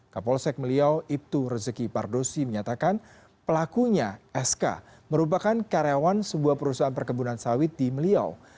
kapolsek meliau ibtu rezeki pardosi menyatakan pelakunya sk merupakan karyawan sebuah perusahaan perkebunan sawit di meliau